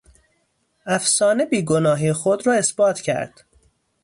افسانه بیگناهی خود را اثبات کرد.